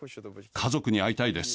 家族に会いたいです。